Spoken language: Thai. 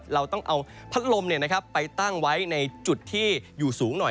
เราต้องเอาพัดลมไปตั้งไว้ในจุดที่อยู่สูงหน่อย